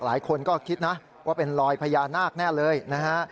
หลายคนก็คิดนะว่าเป็นรอยพญานาคแน่เลยนะฮะ